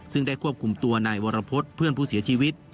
ซึ่งได้ควบคุมตัวนายวรพฤษเพื่อนผู้เสียชีวิต